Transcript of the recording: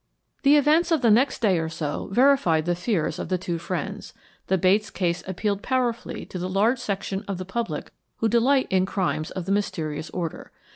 The events of the next day or so fully verified the fears of the two friends. The Bates case appealed powerfully to the large section of the public who delight in crimes of the mysterious order.